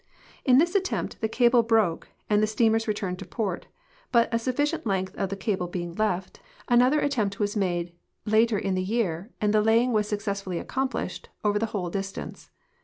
In this attempt also the cable broke and the steam ers returned to port, but a sufficient length of cable being left, another attempt was made later in the year and the laying was successful!}^ accomplished over the whole distance.